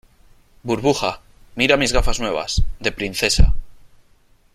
burbuja , mira mis gafas nuevas , de princesa .